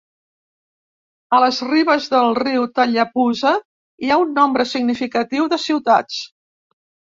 A les ribes del riu Tallapoosa hi ha un nombre significatiu de ciutats.